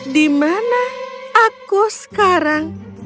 dimana aku sekarang